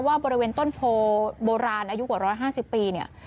ว่าบริเวณต้นโพบ่รานอายุกว่าร้อนห้าสิบปีเนี่ย